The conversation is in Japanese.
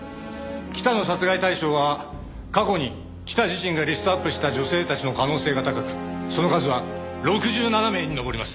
北の殺害対象は過去に北自身がリストアップした女性たちの可能性が高くその数は６７名に上ります。